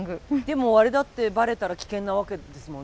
でもあれだってバレたら危険なわけですもんね。